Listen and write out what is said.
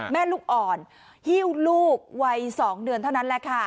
แม่ลูกอ่อนหิ้วลูกวัย๒เดือนเท่านั้นแหละค่ะ